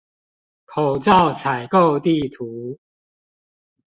口罩採購地圖